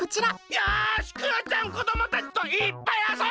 よしクヨちゃんこどもたちといっぱいあそんじゃうぞ！